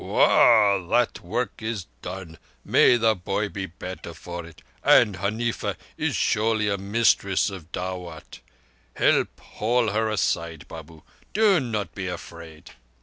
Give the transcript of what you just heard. "Wah! That work is done. May the boy be better for it; and Huneefa is surely a mistress of dawut. Help haul her aside, Babu. Do not be afraid."